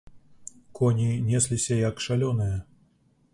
Коні несліся, як шалёныя.